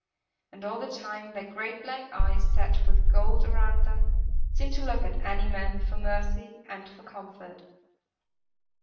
And all the time their great black eyes, set with gold around them, seemed to look at any man, for mercy and for comfort.